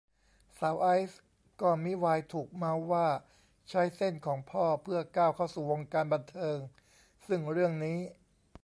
สาวไอซ์ก็มิวายถูกเมาท์ว่าใช้เส้นของพ่อเพื่อก้าวเข้าสู่วงการบันเทิง ซึ่งเรื่องนี้